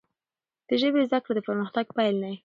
د ژبي زده کړه، د پرمختګ پیل دی.